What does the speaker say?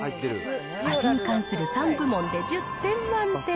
味に関する３部門で１０点満点。